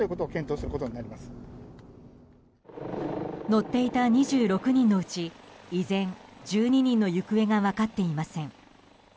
乗っていた２６人のうち以前、１２人の行方が分かっていません。